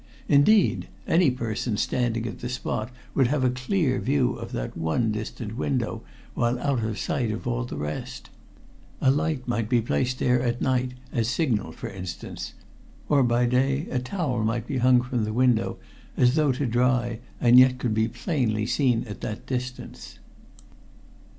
Indeed, any person standing at the spot would have a clear view of that one distant window while out of sight of all the rest. A light might be placed there at night as signal, for instance; or by day a towel might be hung from the window as though to dry and yet could be plainly seen at that distance.